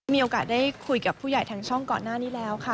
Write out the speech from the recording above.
มีโอกาสได้คุยกับผู้ใหญ่ทางช่องก่อนหน้านี้แล้วค่ะ